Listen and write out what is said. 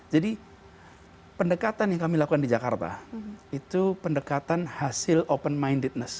jadi pendekatan yang kami lakukan di jakarta itu pendekatan hasil open mindedness